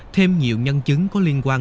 thêm nhiều nhân chứng có liên quan